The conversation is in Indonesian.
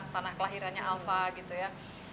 tanah kelahirannya alpha gitu ya